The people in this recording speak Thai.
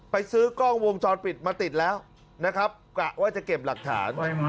ซื้อกล้องวงจรปิดมาติดแล้วนะครับกะว่าจะเก็บหลักฐาน